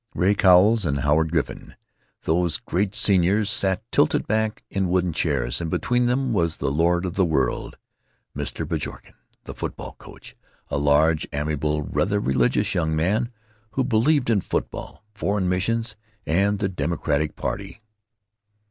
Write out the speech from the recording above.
Ray Cowles and Howard Griffin, those great seniors, sat tilted back in wooden chairs, and between them was the lord of the world, Mr. Bjorken, the football coach, a large, amiable, rather religious young man, who believed in football, foreign missions, and the Democratic party.